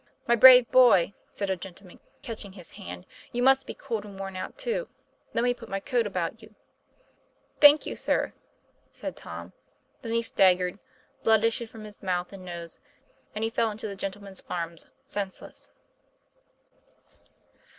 'My brave boy," said a gentleman, catching his hand, " you must be cold, and worn out too. Let me put my coat about you." "Thank you, sir," said Tom. Then he staggered, blood issued from mouth and nose, and he fell into the gentleman's arms senseless.